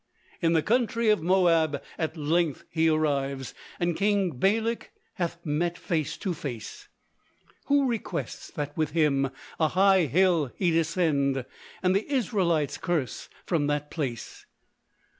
In the country of Moab at length he arrives, And King Balak hath met face to face, Who requests that with him a high hill he'd ascend, And the Israelites curse from that place.